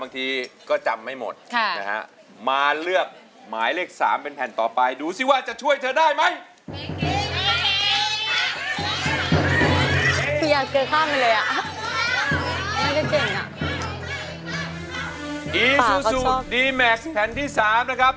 แผ่นที่๕เราเลือกไปแล้วนะครับ